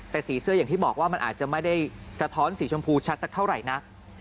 แต่สีเสื้ออย่างที่บอกว่ามันอาจจะไม่ได้สะท้อนสีชมพูชัดสักเท่าไหร่นัก